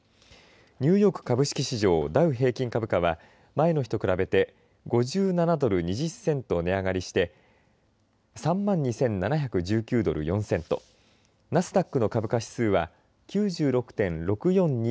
ニューヨーク株式市場ダウ平均株価は前の日と比べて５７ドル２０セント値上がりして３万２７１９ドル４セントナスダックの株価指数は９６．６４２